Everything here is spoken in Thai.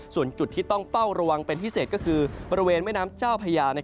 ส่วนจุดที่ต้องเฝ้าระวังเป็นพิเศษก็คือบริเวณแม่น้ำเจ้าพญา